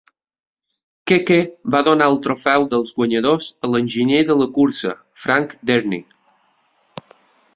Keke va donar el trofeu dels guanyadors a l'enginyer de la cursa, Frank Dernie.